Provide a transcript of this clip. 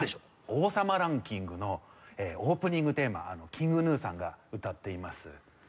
『王様ランキング』のオープニングテーマＫｉｎｇＧｎｕさんが歌っています